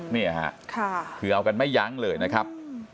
นี่ค่ะคือเอากันไม่ยั้งเลยนะครับ